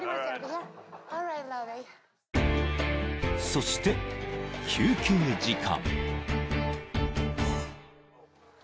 ［そして休憩時間］